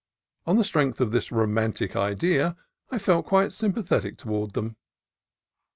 On the strength of this romantic idea I felt quite sympathetic toward them.